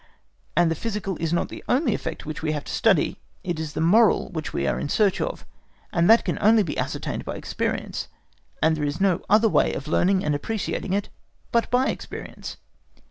And the physical is not the only effect which we have to study, it is the moral which we are in search of, and that can only be ascertained by experience; and there is no other way of learning and appreciating it but by experience.